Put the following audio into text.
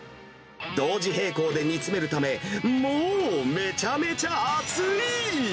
同時並行で煮詰めるため、もーめちゃめちゃ暑い。